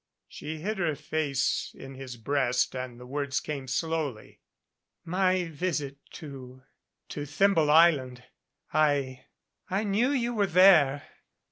She hid her face in his breast and the words came slowly. "My visit to to Thimble Island I I knew you were there.